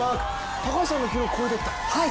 高橋さんの記録、超えてった。